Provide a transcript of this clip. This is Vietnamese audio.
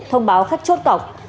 thông báo khách chốt cọc